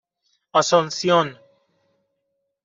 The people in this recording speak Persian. آسونسیون